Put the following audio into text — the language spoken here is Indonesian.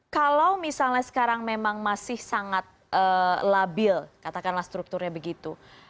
kalau misalnya sekarang memang masih sangat labil katakanlah strukturnya begitu